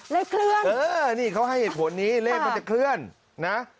เลขเคลื่อนเออนี่เขาให้เหตุผลนี้เลขมันจะเคลื่อนนะ